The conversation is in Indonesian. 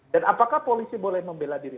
dan apakah polisi boleh membela diri